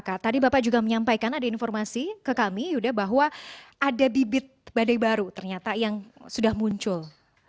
pak tadi bapak juga menyampaikan ada informasi ke kami yuda bahwa ada bibit badai baru ternyata yang sudah muncul